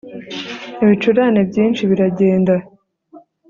Ibicurane byinshi biragenda